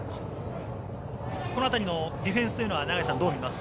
この辺りのディフェンスというのはどう見ますか？